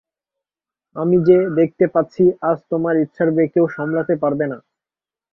আমি যে, দেখতে পাচ্ছি, আজ তোমার ইচ্ছার বেগ কেউ সামলাতে পারবে না।